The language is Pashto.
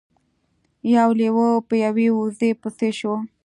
یو لیوه په یوې وزې پسې شو.